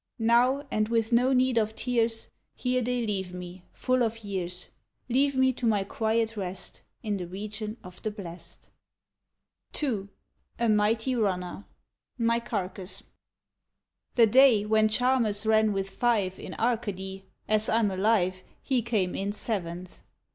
Now, and with no need of tears. Here they leave me, full of years, ■ Leave me to my quiet rest In the region of the blest. VARIATIONS OF GREEK THEMES 173 II A MIGHTY RUNNER {Nicarchus) The day when Charmus ran with five In Arcady, as I'm alive. He came in seventh.